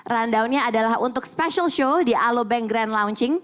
rundownnya adalah untuk special show di alobank grand launching